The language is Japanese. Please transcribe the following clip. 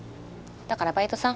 だからバイトさん。